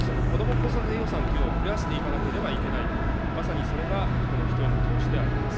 子育て予算というのを増やしていかなければいけない、まさにそれがこの人への投資であります。